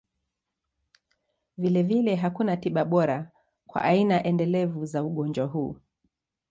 Vilevile, hakuna tiba bora kwa aina endelevu za ugonjwa huu.